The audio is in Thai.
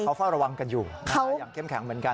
เขาเฝ้าระวังกันอยู่อย่างเข้มแข็งเหมือนกัน